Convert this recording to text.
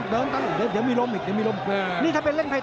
เดี๋ยวมีล้มอีก